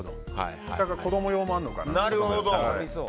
だから、子供用もあるのかな。